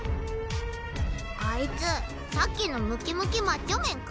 あいつさっきのムキムキマッチョメンか？